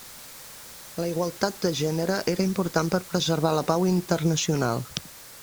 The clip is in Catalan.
La igualtat de gènere era important per preservar la pau internacional.